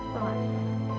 kalau gak aku mau meledak